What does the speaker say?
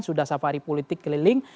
sudah safari politik keliling